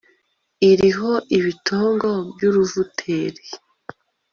Iriho ibitongo byuruvuteri